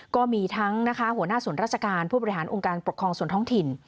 ก็มีทั้งหัวหน้าส่วนราชการผู้บริหารองค์การปกครองส่วนท้องถิ่น